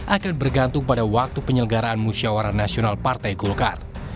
akan bergantung pada waktu penyelenggaraan musyawarah nasional partai golkar